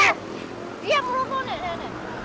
he diam dulu nih